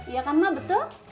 iya kan ma betul